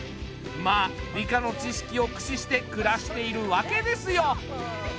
まあ理科の知識を駆使して暮らしているわけですよ。